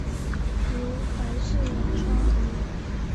如白氏文昌鱼。